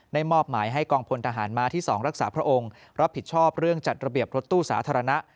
มอบหมายให้กองพลทหารม้าที่๒รักษาพระองค์รับผิดชอบเรื่องจัดระเบียบรถตู้สาธารณะ